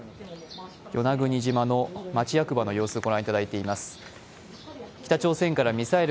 与那国島の町役場の様子をご覧いただいています。